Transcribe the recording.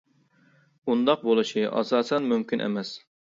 ئۇنداق بولۇشى ئاساسەن مۇمكىن ئەمەس.